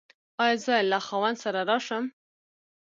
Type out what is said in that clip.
ایا زه له خاوند سره راشم؟